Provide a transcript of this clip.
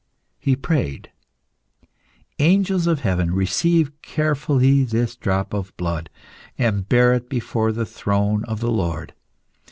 He prayed "Angels of heaven, receive carefully this drop of blood, and bear it before the throne of the Lord.